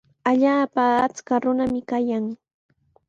Allaapa achka runami kayan.